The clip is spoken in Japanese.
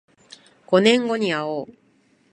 五年後にあおう